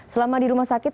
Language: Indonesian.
selama di rumah sakit